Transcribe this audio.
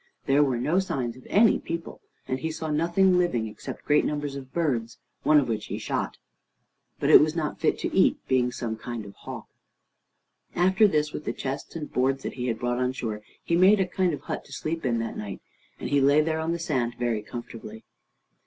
There were no signs of any people, and he saw nothing living except great numbers of birds, one of which he shot. But it was not fit to eat, being some kind of hawk. After this, with the chests and boards that he had brought on shore, he made a kind of hut to sleep in that night, and he lay there on the sand very comfortably.